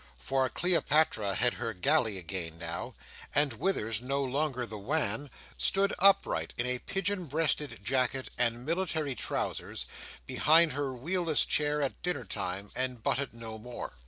For Cleopatra had her galley again now, and Withers, no longer the wan, stood upright in a pigeon breasted jacket and military trousers, behind her wheel less chair at dinner time and butted no more.